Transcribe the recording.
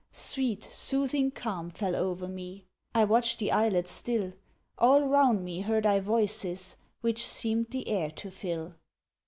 Sweet, soothing calm fell o'er me I watched the Islet still, All round me heard I voices Which seemed the air to fill.